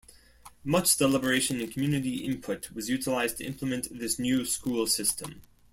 Much deliberation and community input was utilized to implement this new school system.